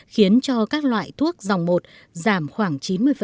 khiến cho các loại thuốc dòng một giảm khoảng chín mươi